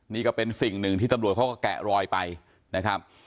นี่ก็เป็นสิ่งหนึ่งที่ตำรวจเขาก็แกะรอยไปนะครับ